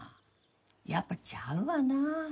やっぱちゃうわな。